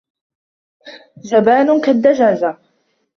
جبان كالدجاجة.